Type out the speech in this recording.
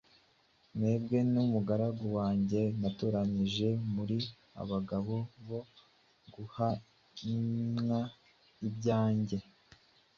Mwebwe n’umugaragu wanjye natoranije, muri abagabo bo guhamya ibyanjye,”